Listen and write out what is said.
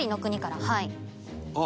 はい。